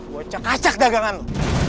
gue cek cek dagangan lo